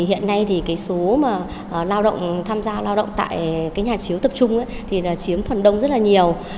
hiện nay thì số tham gia lao động tại nhà chiếu tập trung thì chiếm phần đông rất là nhiều